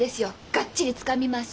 がっちりつかみます！